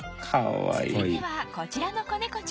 続いてはこちらの子猫ちゃん